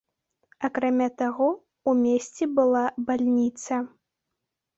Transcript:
Акрамя таго, у месце была бальніца.